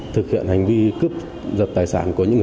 thực hiện hành vi cướp giật tài sản